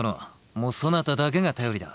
もうそなただけが頼りだ。